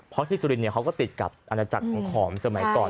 เพราะที่สุรินทร์เขาก็ติดกับอาณาจักรของขอมสมัยก่อน